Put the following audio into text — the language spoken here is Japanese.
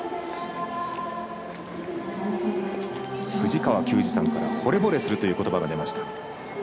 藤川球児さんからほれぼれするということばが出ました。